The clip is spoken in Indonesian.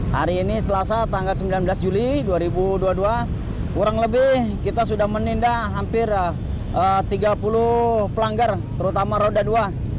hari ini selasa tanggal sembilan belas juli dua ribu dua puluh dua kurang lebih kita sudah menindak hampir tiga puluh pelanggar terutama roda dua